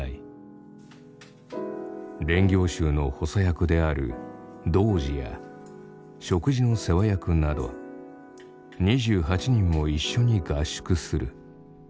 練行衆の補佐役である童子や食事の世話役など２８人も一緒に合宿する。